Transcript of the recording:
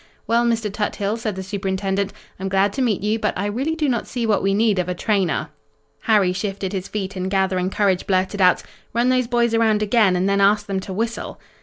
"Well, Mr. Tuthill," said the Superintendent, "I'm glad to meet you, but I really do not see what we need of a trainer." Harry shifted his feet and gathering courage blurted out: "Run those boys around again and then ask them to whistle."